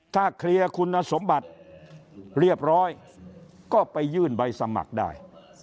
ถ้าเคลียร์คุณสมบัติเรียบร้อยก็ไปยื่นใบสมัครได้